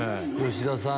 吉田さん